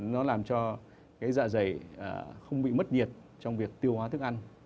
nó làm cho cái dạ dày không bị mất nhiệt trong việc tiêu hóa thức ăn